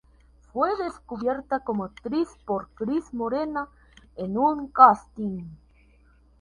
Fue descubierta como actriz por Cris Morena en un casting.